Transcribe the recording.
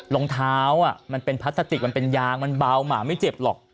รองเท้ามันเป็นพลาสติกมันเป็นยางมันเบาหมาไม่เจ็บหรอก